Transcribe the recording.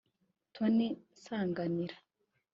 Tony Nsanganira